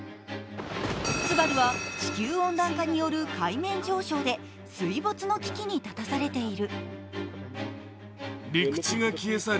ツバルは、地球温暖化による海面上昇で水没の危機に立たされている。